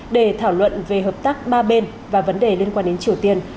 để thảo luận về hợp tác ba bên và vấn đề liên quan đến triều tiên